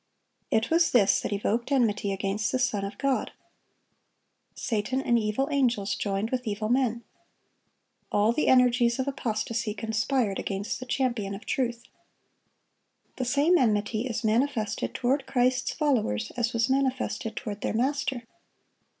It was this that evoked enmity against the Son of God. Satan and evil angels joined with evil men. All the energies of apostasy conspired against the Champion of truth. The same enmity is manifested toward Christ's followers as was manifested toward their Master.